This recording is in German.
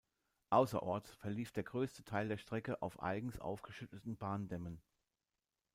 Außerorts verlief der größte Teil der Strecke auf eigens aufgeschütteten Bahndämmen.